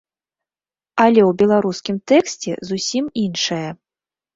Але ў беларускім тэксце зусім іншае.